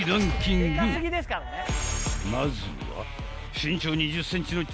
［まずは］